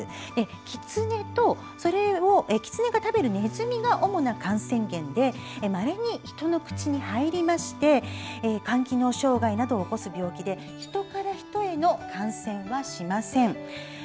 キツネとキツネが食べるネズミが主な感染源でまれに人の口から体内に入りまして肝機能障害などを起こす病気で人から人への感染はしません。